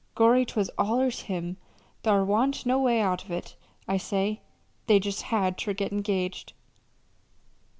Gorry, 'twas allers him. Thar wa'n't no way out of it, I say. They jest had ter get engaged!"